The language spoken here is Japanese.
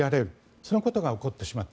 そのことが起こってしまった。